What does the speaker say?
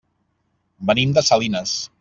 Venim de Salinas.